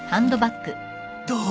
どう？